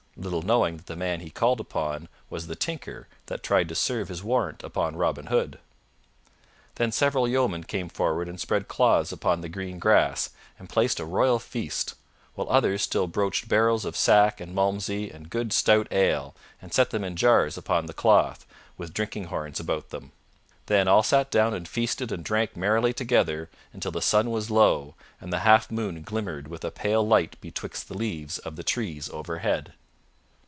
little knowing that the man he called upon was the Tinker that tried to serve his warrant upon Robin Hood. Then several yeomen came forward and spread cloths upon the green grass, and placed a royal feast; while others still broached barrels of sack and Malmsey and good stout ale, and set them in jars upon the cloth, with drinking horns about them. Then all sat down and feasted and drank merrily together until the sun was low and the half moon glimmered with a pale light betwixt the leaves of the trees overhead.